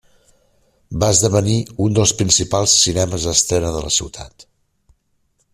Va esdevenir un dels principals cinemes d'estrena de la ciutat.